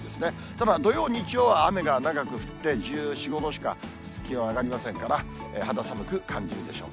ただ土曜、日曜は雨が長く降って、１４、５度しか気温上がりませんから、肌寒く感じるでしょう。